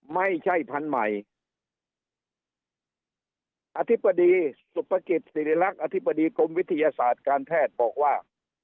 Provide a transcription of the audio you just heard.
พันธุ์ใหม่อธิบดีสุภกิจศิริรักษ์อธิบดีกรมวิทยาศาสตร์การแพทย์บอกว่า